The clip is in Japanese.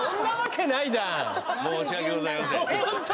申し訳ございませんホント！？